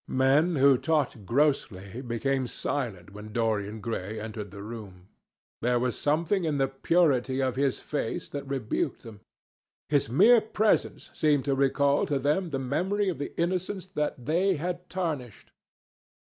Men who talked grossly became silent when Dorian Gray entered the room. There was something in the purity of his face that rebuked them. His mere presence seemed to recall to them the memory of the innocence that they had tarnished.